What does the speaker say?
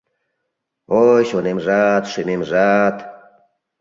Ой чонемжат, шӱмемжат!..